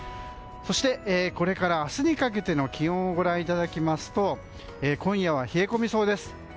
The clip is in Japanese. そして、これから明日にかけての気温をご覧いただきますと今夜は冷え込みそうです。